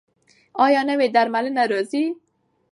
ایا نوې درملنه راځي؟